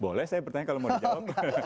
boleh saya bertanya kalau mau dijawab